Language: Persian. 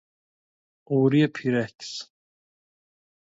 قوری پیرکس